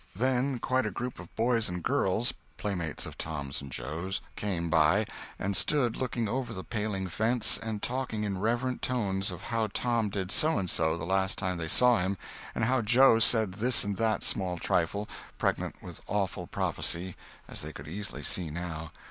Then quite a group of boys and girls—playmates of Tom's and Joe's—came by, and stood looking over the paling fence and talking in reverent tones of how Tom did so and so the last time they saw him, and how Joe said this and that small trifle (pregnant with awful prophecy, as they could easily see now!)